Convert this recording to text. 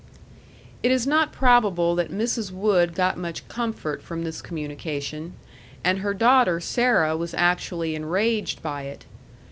It is not probable that Mrs. Wood got much comfort from this communication; and her daughter Sarah was actually enraged by it.